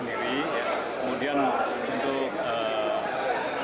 kemudian untuk menjaga jangan sampai terjadi hal hal yang diinginkan